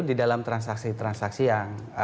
di dalam transaksi transaksi yang